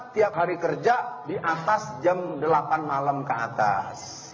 tiap hari kerja di atas jam delapan malam ke atas